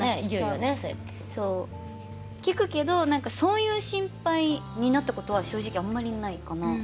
そうやってそう聞くけどなんかそういう心配になったことは正直あんまりないかな